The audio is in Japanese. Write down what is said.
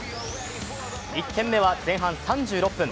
１点目は前半３６分。